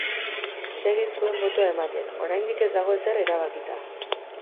Segi zuen botoa ematen, oraindik ez dago ezer erabakita!